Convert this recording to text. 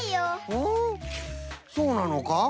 おっそうなのか？